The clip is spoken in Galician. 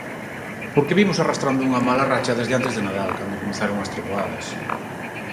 Porque vimos arrastrando unha mala racha desde antes de Nadal cando comezaron as treboadas.